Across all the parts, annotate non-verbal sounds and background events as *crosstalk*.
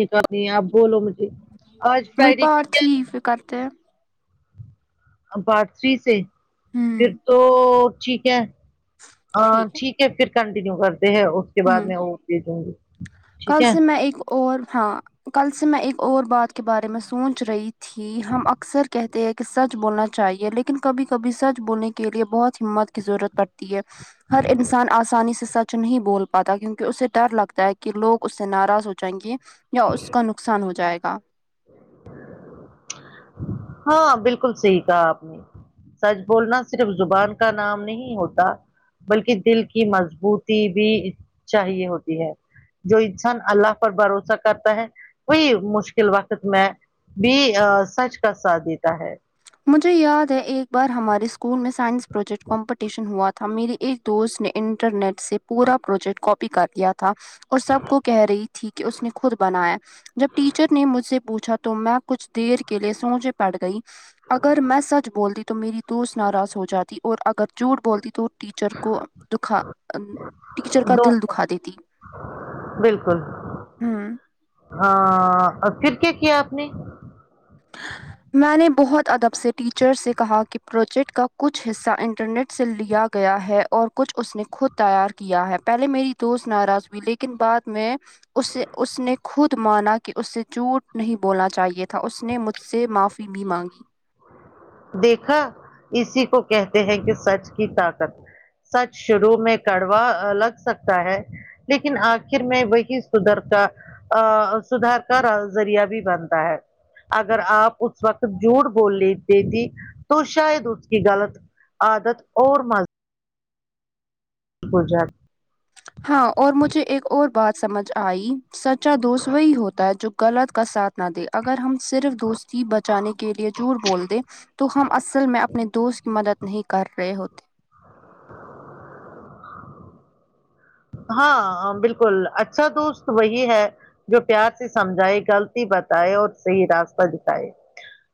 نکالنی آپ بولو مجھے آج فرائیڈ کی پھر کرتے ہیں *unintelligible* سے ہوں پھر تو ٹھیک ہے ٹھیک پھر کنٹینیو کرتے ہیں اس کے بعد ہوں میں وہ بھی دوں گی ٹھیک کل ہے سے میں ایک اور ہاں کل سے میں ایک اور بات کے بارے میں سوچ رہی تھی ہم اکثر کہتے ہیں کہ سچ بولنا چاہیے لیکن کبھی کبھی سچ بولنے کے لیے بہت ہمت ضرورت پڑتی ہے ہر انسان آسانی سے سچ نہیں بول پاتا کیونکہ اسے ڈر لگتا ہے کہ کہ لوگ اس سے ناراض ہو جائیں گے یا اس کا نقصان ہو جائے گا ہاں بالکل صحیح کہا آپ نے سچ بولنا صرف زبان کا نام نہیں ہوتا بلکہ دل کی مضبوطی بھی چاہیے ہوتی ہے جو انسان اللہ پر بھروسہ کرتا ہے وہی مشکل وقت میں بھی سچ کا ساتھ دیتا ہے مجھے یاد ہے ایک بار ہمارے اسکول میں سائنس پروجیکٹ کمپٹیشن ہوا تھا میری ایک دوست نے انٹرنیٹ سے پورا پروجیکٹ کاپی کر لیا تھا تھا اور سب کو کہہ رہی تھی کہ اس نے خود بنایا جب ٹیچر نے مجھ سے پوچھا تو میں کچھ دیر کے لیے سوچ میں پڑگئی اگر میں سچ بولتی تو میری دوست ناراض ہو جاتی اور اگر جھوٹ بولتی تو ٹیچر کو دکھا ٹیچر کا دو دل دکھا دیتی بالکل ہوں ہ پھر کیا کیا آپ نے میں نے بہت ادب سے ٹیچر سے کہا کہ پروجیکٹ کا کچھ حصہ انٹرنیٹ سے لیا گیا ہے اور کچھ اس نے خود تیار کیا ہے پہلے میری دوست ناراض ہوئی لیکن بعد میں اسے اس نے خود مانا کہ اسے جوٹ نہیں بولنا چاہیے تھا اس نے مجھ سے سے معافی بھی مانگی دیکھا اسی کو کہتے ہیں کہ سچ کی طاقت سچ شروع میں کڑوا لگ سکتا ہے لیکن آخر میں وہی سدھرتا ا سدھار کا ذریہ بھی بنتا ہے اگر آپ اس وقت جھوٹ بول لی دیتی تو شاید اس کی غلط عادت اور مزہ گجرات ہاں اور مجھے ایک اور بات سمجھ آئی سچا دوست وہی ہوتا ہے جو غلط کا ساتھ نہ دے اگر ہم صرف دوستی بچانے کے لیے جور بول دیں تو ہم اصل میں اپنے دوست کی مدد نہیں کر رہے ہوتے ہاں بالکل اچھا دوست وہی ہے جو پیار سے سمجھائے غلطی بتائے اور صحیح راستہ دکھائے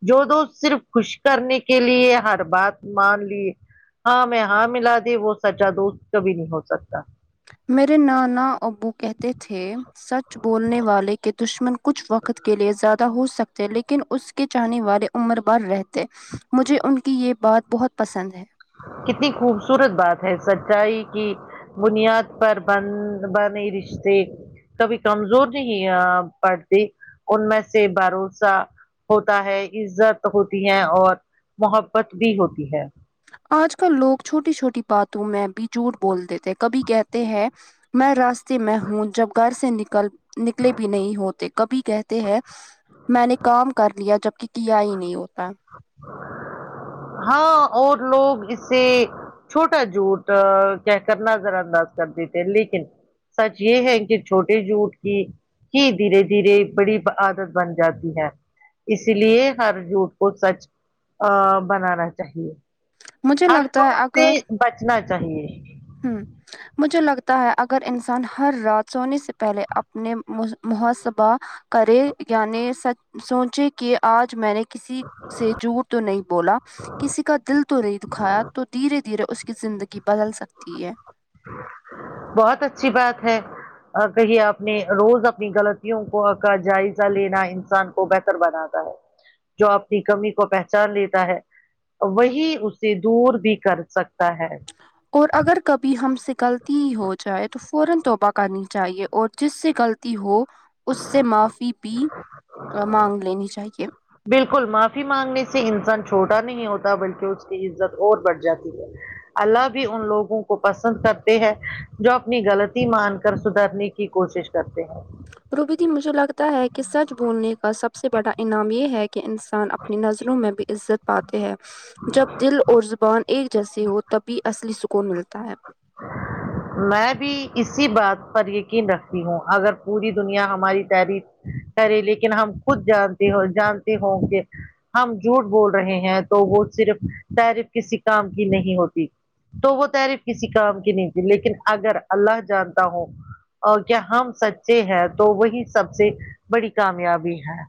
جو دو صرف خوش کرنے کے لیے ہر بات مان لیے ہاں میں ہاں ملا دی وہ سچا دوست کبھی نہیں ہو سکتا میرے نانا ابو کہتے تھے سچ بولنے والے کے دشمن کچھ وقت کے لیے زیادہ ہو سکتے ہیں لیکن اس کے چاننے والے عمر بار رہتے مجھے ان کی یہ بات بہت پسند ہے کتنی خوبصورت بات ہے سچائی کی بنیاد پر بن بنے رشتے کبھی کمزور نہیں پڑتی ان میں سے بھروسہ ہوتا ہے عزت ہوتی ہے اور محبت بھی ہوتی ہے آج کل لوگ چھوٹی چھوٹی باتوں میں بھی جھوٹ بولتے تھے کبھی کہتے ہیں میں راستے میں ہوں جب گھر سے نکل نکلے بھی نہیں ہوتے کبھی کہتے ہیں میں نے کام کر لیا جبک کیا ہی نہیں ہوتا ہاں اور لوگ اس سے چھوٹا جھوٹ کہ کر نظر انداز کر دی تھے لیکن سچ یہ ہے کہ چھوٹے جھوٹ کی جی دھیرے دھیرے بڑی عادت بن جاتی ہے اسی لیے ہر جھوٹ کو سچ ا بنانا چاہیے مجھے ہر لگتا ہے جھوٹ سے اگر بچنا چاہیے ہوں مجھے لگتا ہے اگر انسان ہر رات سونے سے پہلے اپنے محسبہ کریں یعنی سوچیں کہ آج میں نے کسی سے جور تو نہیں بولا کسی کا دل تو نہیں دکھایا تو دھیرے دھیرے اس کی زندگی بدل سکتی ہے بہت اچھی بات ہے کہے اپنے روز اپنی غلطیوں کو کا جائزہ لینا انسان کو بہتر بنااتا جو آپ کی کمی کو پہچان لیتا ہے وہی اسے دور بھی کر سکتا ہے اور اگر کبھی ہم سکلتی ہی ہو جائے تو فورا توبہ کرنی چاہیے اور جس سے غلطی ہو اس سے معافی بھی مانگ لینی چاہیے بالکل معافی مانگنے سے انسان چھوٹا نہیں ہوتا بلکہ اس کی عزت اور بڑھ جاتی ہے اللہ بھی ان لوگوں کو پسند کرتے ہیں جو اپنی غلطی مان کر سدھرنے کی کی کوشش کرتے ہیں روبی دی مجھے لگتا ہے کہ سچ بولنے کا سب سے بڑا انعام یہ ہے کہ کہ انسان اپنی نظروں میں بھی عزت پاتے ہے جب دل اور زبان ایک جیسی ہو تبھی اصلی سکون ملتا ہے میں بھی اسی بات پر یقین رکھتی ہوں اگر پوری دنیا ہماری تحریر کرے لیکن ہم خود جانتے ہو جانتے ہوں کہ ہم جھوٹ بول رہے ہیں تو وہ صرف تعریف کسی کام کی نہیں ہوتی تو وہ تعریف کسی کام کی نہیں تھی لیکن اگر اللہ جانتا ہوں اور کیا ہم سچے ہیں تو وہی سب سے بڑی کامیابی ہے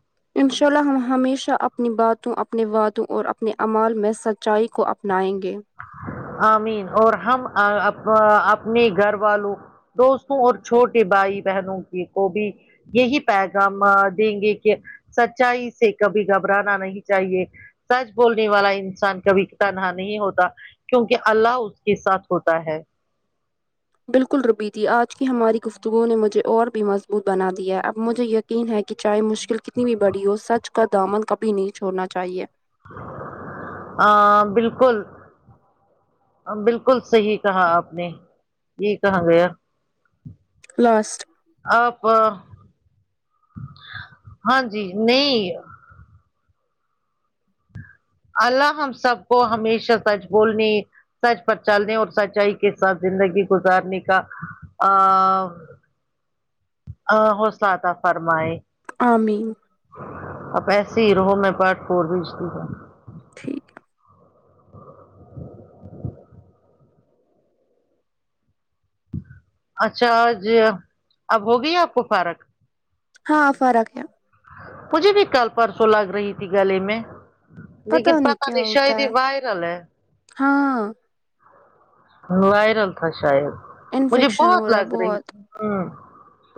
انشاء اللہ ہم ہمیشہ اپنی باتوں اپنے وادوں اور اپنے اعمال میں سچ چائ کو اپنائیں گے آمین اور ہم اپ اپنے گھر والوں دوستوں اور چھوٹے بھائی بہنوں کی کو بھی یہی پیغام دیں گے کہ سچائی سے کبھی گھبرانا نہیں چاہیے سچ بولنے والا انسان کبھی تنہا نہیں ہوتا کیونکہ اللہ اس کے ساتھ ہوتا ہے بالکل روبی دی آج کی ہماری گفتگو نے مجھے اور بھی مضبوط بنا دیا ہے اب مجھے یقین ہے کہ چاہے مشکل کتنی بھی بڑی ہو سچ کا دامن کبھی نہیں چھوڑنا چاہیے آ بالکل بالکل صحیح کہا آپ نے یہی کہا گیا لاسٹ آپ ہاں جی نہیں اللہ ہم سب کو ہمیشہ سچ بولنے سچ پر چلنے اور سچائی کے ساتھ زندگی گزارنے کا حوصلہ عطا فرمائے آمین اپ ایسے ہی رہو میں پارٹ فور بھیجتی ہو ٹھیک ہے اچھا آ ج اب ہوگی آپ کو فارق ہاں فرق ہے مجھے بھی کل پرسوں لگ رہی تھی گلے میں لیکن پتا پتہ کیا نہیں شاید ہوتا یہ ہے وائرل ہے ہاں وائرل تھا شاید مجھے انفیکشن بہت ہو رہا ہے لگ رہی بہت تھی ھمم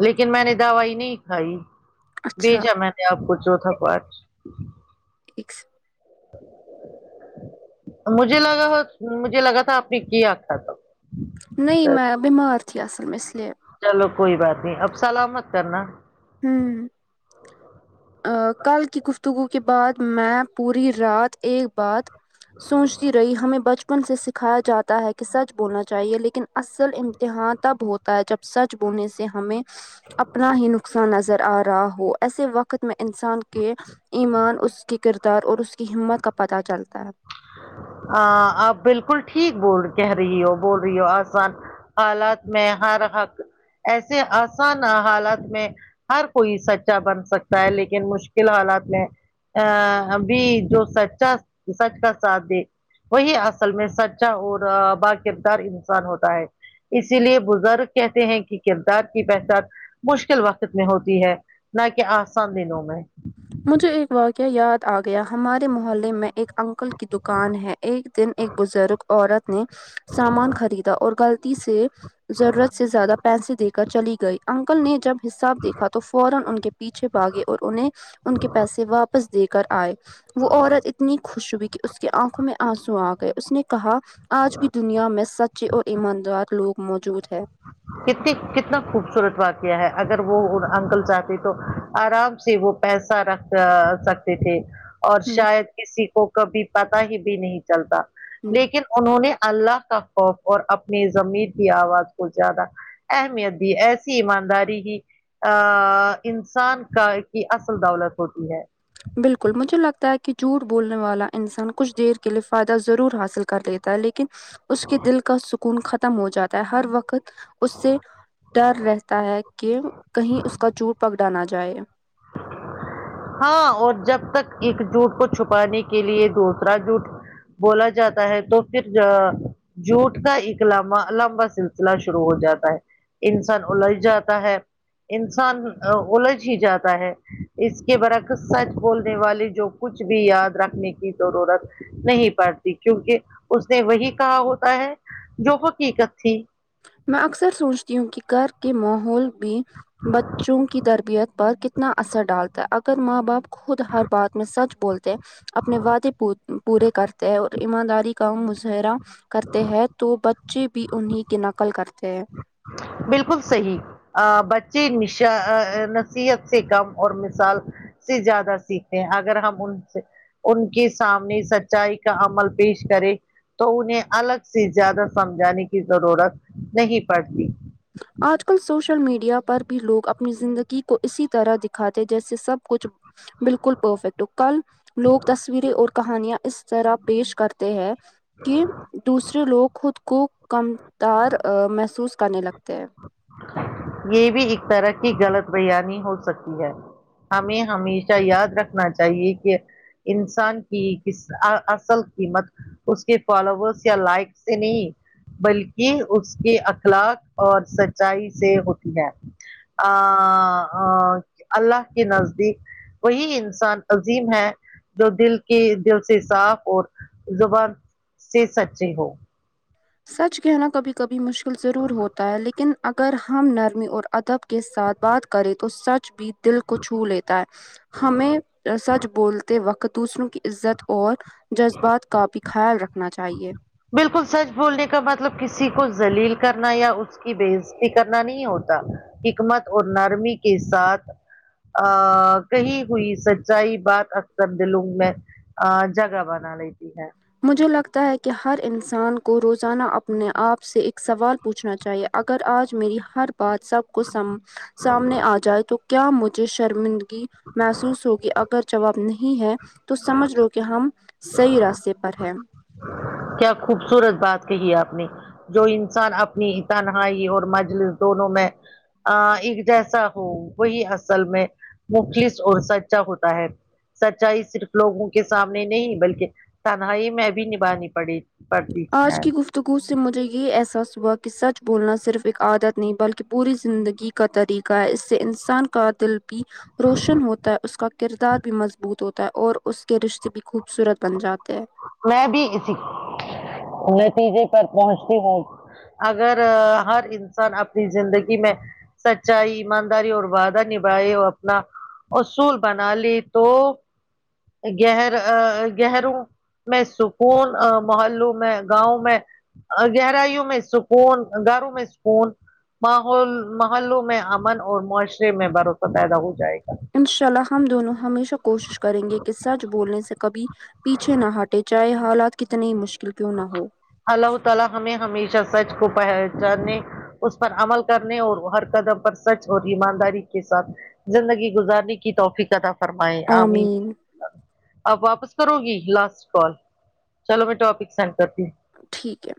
لیکن میں نے دوائی نہیں کھائی اچھا بھیجا میں نے آپ کو چوتھا بار ایک مجھے لگا مجھے لگا تھا آپ نے کیا تھا تب نہیں میں بیمار تھی اصل میں اس لیے چلو کوئی بات نہیں اب سلامت کرنا ھمم کل کی گفتگو کے بعد میں پوری رات ایک بات سوچتی رہی ہمیں بچ پن سے سکھایا جاتا ہے کہ سچھ بولنا چاہیے لیکن اصل امتحان تب ہو ہوتا ہے جب سچ بولنے سے ہمیں اپنا ہی نقصان نظر آ رہا ہو ایسے وقت میں انسان کے ایمان اس کے کردار اور اس کی ہمت کا پتہ چلتا ہے آ آپ بالکل ٹھیک بول کہہ رہی ہو بول رہی ہو آسان حالات میں ہر حق ایسے آسان حالات میں ہر کوئی سچا بن سکتا ہے لیکن مشکل حالات میں آ ابھی جو سچا سچ کا ساتھ دے وہی اصل میں سچا اور باکردار انسان ہوتا ہے اسی لیے بزرگ کہتے ہیں کی کردار کی پہچان مشکل وقت میں ہوتی ہے نہ کی آسان دنوں میں مجھے ایک واقعہ یاد آ گیا ہمارے محلے میں ایک انکل کی دکان ہے ایک دن ایک بزرگ عورت نے سامان خریدا اور غلطی سے ضرورت سے زیادہ پینسے دے کر چلی گئی انکل نے جب حساب دیکھا تو فورا ان کے پیچھے بھاگے اور انہیں ان کے پیسے واپس دے کر آئے وہ عورت اتنی خوش ہوئی کی اس کے آنکھوں میں آنسو آ گئے اس نے کہا آج بھی دنیا میں سچے اور ایماندار لوگ موجود ہیں کتنی کتنا خوبصورت واقعہ ہے اگر وہ انکل چاہتے تو آرام سے وہ پیسہ رکھ آ سکتے تھے اور ہے شاید کسی کو کبھی پتا ہی بھی نہیں چلتا لیکن انہوں نے اللہ کا خوف اور اپنی زامیر کی آواز کو زیادہ اہمیت دی ایسی ایمانداری ہی آ انسان کا کی اصل دولت ہوتی ہے بالکل مجھے لگتا ہے کی جوٹ بولنے والا انسان کچھ دیر کے لیئے فائدہ ضرور حاصل کر لیتا ہے لیکن اس کے دل کا سکون ختم ہو جاتا ہے ہر وقت اس سے ڈر رہتا ہے کہ کہیں اس کا جوٹ پکڑا نہ جائے ہاں اور جب تک ایک جوٹ کو چھپانے کے لیے دوسرا جوٹ بولا جاتا ہے تو پھر جا جوٹ کا ایک لبا لامبا سلسلہ شروع ہو جاتا ہے انسان الجھ جاتا ہے انسان الجھ ہی جاتا ہے اس کے برک سچ بولنے والے جو کچھ بھی یاد رکھنے کی ضرورت نہیں پرتی کیونکہ اس نے وہی کہا ہوتا ہے جو حقیقت تھی میں اکثر سوچتی ہوں کی گر کے ماحول میں بچوں کی تربیت پر کت تنا اثر ڈالتا ہے اگر ماں باپ خود ہر بات میں سچ بولتے اپنے وعدے پورے کرتے ہیں اور ایمانداری کا مظاہرہ کرتے ہیں تو بچے بھی انہیں کی نقل کرتے ہیں بالکل صحیح ا بچے نشہ آ نصیحت سے کم اور مثال سے زیادہ سیکھیں اگر ہم ان سے ان کے سامنے سچائی کا عمل پیش کرے تو انہیں الگ سے زیادہ سمجھانے کی ضرورت نہیں پڑتی آج کل سوشل میڈیا پر بھی لوگ اپنی زندگی کو اسی طرح دکھاتے جیسے سب کچھ بالکل پرفیکٹ کل لوگ تصویریں اور کہانیاں اس طرح پیش کرتے ہیں کی دوسرے لوگ خود کو کم تار محسوس کرنے لگتے ہیں یے بھی ایک طرح کی غلط بیانی ہو سکتی ہے ہمیں ہمیشہ یاد رکھنا چاہیے کہ انسان کی کس ا اصل قیمت اس کے فالوورس یا لائک سے نہیں بلکی اس کے اقلاق اور سچائی سے ہوتی ہے آ الله کے نزدیک وہی انسان عظیم ہے جو دل کے دل سے صاف اور زبان سے سچے ہو سچ کہنا کبھی کبھی مشکل ضرور ہوتا ہے لیکن یکن اگر ہم نرمی اور ادب کے ساتھ بات کریں تو سچ بھی دل کو چھو لیتا ہے ہمیں سچ بولتے وقت دوسروں کی عزت اور جذبات کا بھی خیال رکھنا چاہیے بالکل سچ بولنے کا مطلب کسی کو ذلیل کرنا یا اس کی بے عزتی کرنا نہیں ہوتا حکمت اور نرمی کے ساتھ ا کہی ہوئی سچائی بات اکثر دلاؤں میں اہ جگہ بنا لیتی ہے مجھے لگتا ہے کہ ہر انسان کو روزانہ اپنے آپ سے ایک سوال پوچھنا چاہیے اگر آج میری ہر بات سب کو سام سامنے آ جائے تو کیا مجھے شرمند گی محسوس ہوگی اگر جواب نہیں ہے تو سمجھ لو کہ ہم صحیح راستے پر ہے کیا خوبصورت بات کہی ہے آپ نے جو انسان اپنی تنہائی اور مجلس دونوں میں اہ ایک جیسا ہو وہی اصل میں مخلس اور سچا ہوتا ہے سچائی صرف لوگوں کے سامنے نہیں بلکہ تنہائی میں بھی نبھانی پڑی پڑتی آج ہے کی گفت گو سے مجھے یہ احساس ہوا کہ سچ بولنا صرف ایک عادت نہیں بلکہ پوری زندگی کا طریقہ ہے اس سے انسان کا دل بھی روشن ہوتا ہے اس کا کردار بھی مضبوط ہوتا ہے اور اس کے رشتے بھی خوبصورت بن جاتے ہیں میں بھی اسی نتیجے پر پہنچتی ہوں اگر ہر انسان اپنی زندگی میں سچائی ایمانداری اور وعدہ نھائے او اپنا اصول بنا لی تو گہر گہروں میں سکون محلوں میں گاؤں میں گہرائیوں میں سکون گھروں میں سکون ماحول محلوں میں امن اور معاشرے میں بھروسہ پیدا ہو جائے گا انشاء اللہ ہم دونوں ہمیشہ کوشش کریں گے کہ سچ بولنے سے کبھی پیچھے نہ ہٹے چاہے حالات کتنی ہی مشکل کیوں نہ ہو اللہ تعالی ہمیں ہمیشہ سچ کو پہچانے اس پر عمل کرنے اور ہر قدم پر سچ اور ایمانداری کے ساتھ زندگی گزارنے کی توفیق فرمائے آمین آپ واپس کرو گی لاسٹ کال چلو میں ٹاپک سینڈ کرتی ہوں ٹھیک ہے